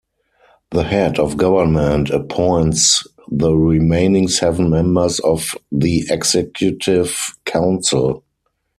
The Head of Government appoints the remaining seven members of the Executive Council.